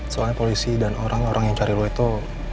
soalnya polisi dan orang orang yang cari lu itu